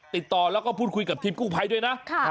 ติดต่อแล้วก็พูดคุยกับทีมกู้ภัยด้วยนะ